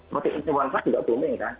berarti itaewon club juga booming kan